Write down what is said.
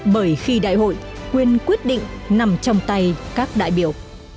bởi khi đại hội quyền quyết định nằm trong tay các đại biểu